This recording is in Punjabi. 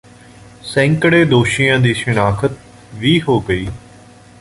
ਸੈਂਕੜੇ ਦੋਸ਼ੀਆਂ ਦੀ ਸ਼ਨਾਖਤ ਵੀ ਹੋ ਗਈ